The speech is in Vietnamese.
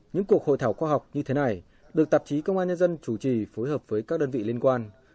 những cuộc hội thảo khoa học như thế này được tạp chí công an nhân dân chủ trì phối hợp với các đơn vị liên quan